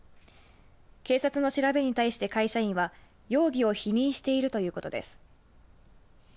警察の調べに対して会社員は容疑を否認しているということです。